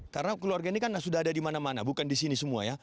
karena keluarga ini kan sudah ada di mana mana bukan di sini semua ya